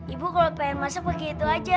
ibu kalau pengen masak pake itu aja